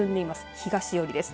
東寄りです。